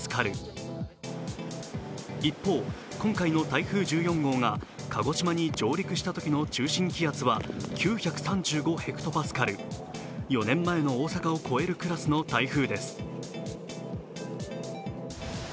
一方、今回の台風１４号が鹿児島に上陸したときの中心気圧は９３５ｈＰａ、４年前の大阪を超えるクラスの台風です。